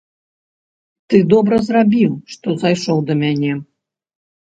Ты добра зрабіў, што зайшоў да мяне.